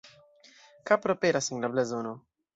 Kapro aperas en la blazono.